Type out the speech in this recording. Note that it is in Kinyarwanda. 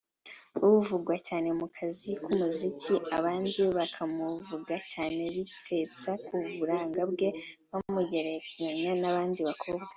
Avugwa cyane mu kazi k’umuziki abandi bakamuvuga cyane bitsitsa ku buranga bwe bamugereranya n’abandi bakobwa